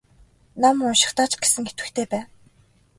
Ном уншихдаа ч гэсэн идэвхтэй бай.